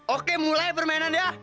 oke mulai permainan dia